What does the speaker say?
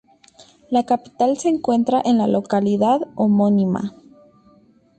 La capital se encuentra en la localidad homónima.